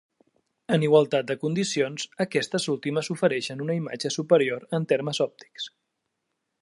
En igualtat de condicions, aquestes últimes ofereixen una imatge superior en termes òptics.